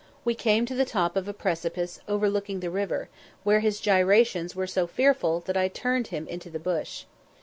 We came to the top of a precipice overlooking the river, where his gyrations were so fearful that I turned him into the bush.